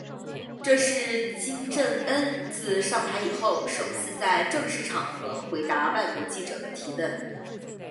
这是金正恩自上台以后首次在正式场合回答外国记者的提问。